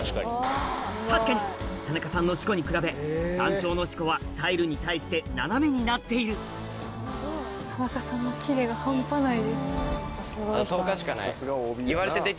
確かに田中さんの四股に比べ団長の四股はタイルに対して斜めになっているはい。